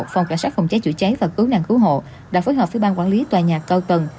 phòng cảnh sát phòng cháy chữa cháy và cứu nạn cứu hộ đã phối hợp với ban quản lý tòa nhà cao tầng